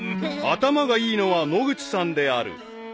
［頭がいいのは野口さんである］